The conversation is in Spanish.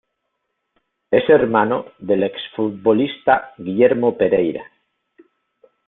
Es hermano del ex-futbolista Guillermo Pereyra.